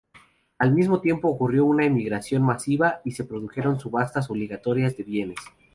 Al mismo tiempo ocurrió una emigración masiva, y se produjeron subastas obligatorias de bienes.